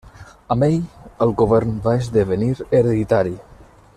Amb ell el govern va esdevenir hereditari.